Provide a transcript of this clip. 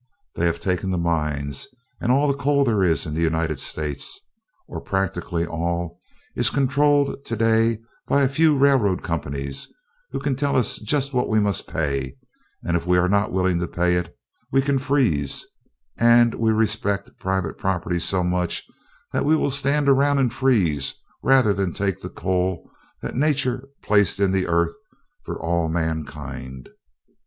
They have taken the mines; and all the coal there is in the United States, or practically all, is controlled today by a few railroad companies who can tell us just what we must pay, and if we are not willing to pay it, we can freeze; and we respect private property so much that we will stand around and freeze rather than take the coal that nature placed in the earth for all mankind.